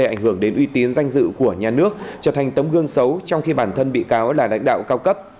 ảnh hưởng đến uy tín danh dự của nhà nước trở thành tấm gương xấu trong khi bản thân bị cáo là lãnh đạo cao cấp